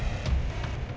kita ke rumah